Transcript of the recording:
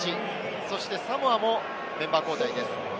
そしてサモアもメンバー交代です。